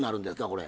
これ。